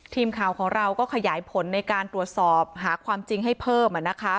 ทีมข่าวของเราก็ขยายผลในการตรวจสอบหาความจริงให้เพิ่ม